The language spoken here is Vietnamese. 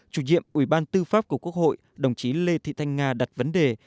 chủ nhiệm ủy ban tư pháp của quốc hội đồng chí lê thị thanh nga đặt vấn đề